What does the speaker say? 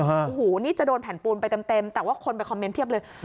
โอ้โหนี่จะโดนแผ่นปูนไปเต็มแต่ว่าคนไปคอมเมนต์เพียบเลย